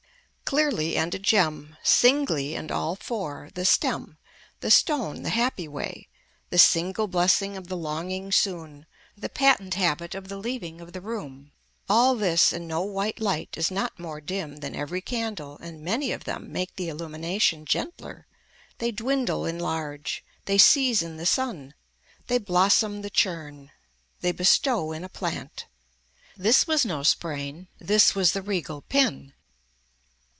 Clearly and a gem, singly and all four, the stem, the stone the happy way, the single blessing of the longing soon, the patent habit of the leaving of the room, all this and no white light is not more dim than every candle and many of them make the illumination gentler, they dwindle in large, they season the sun, they blossom the churn, they bestow in a plant. This was no sprain, this was the regal pin.